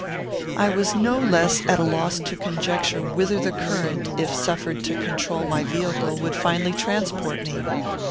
I was no less at a loss to conjecture whither the current, if suffered to control my vehicle, would finally transport me.